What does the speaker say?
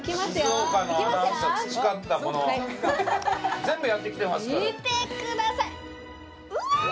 静岡のアナウンサー培った全部やってきてますからうわー見てくださいうわー！